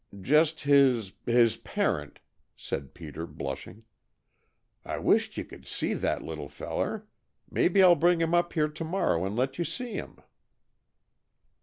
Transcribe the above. "Just his his parent," said Peter, blushing. "I wisht you could see that little feller. Maybe I'll bring him up here to morrow and let you see him."